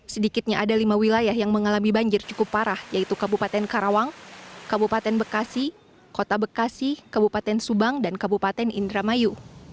sedikitnya ada lima wilayah yang mengalami banjir cukup parah yaitu kabupaten karawang kabupaten bekasi kota bekasi kabupaten subang dan kabupaten indramayu